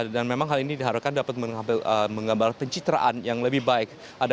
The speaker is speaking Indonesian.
dan memang hal ini diharapkan dapat mengambil pencitraan yang lebih baik